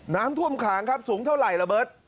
น้ำท่วมขังครับสูงเท่าไหร่ระเบิด